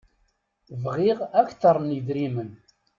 Bɣiɣ akteṛ n yedrimen.